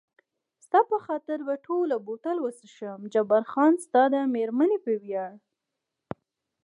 ستا په خاطر به ټوله بوتل وڅښم، جبار خان ستا د مېرمنې په ویاړ.